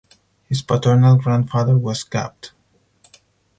His paternal grandfather was Capt.